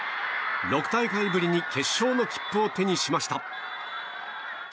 ６大会ぶりに決勝の切符を手にしました。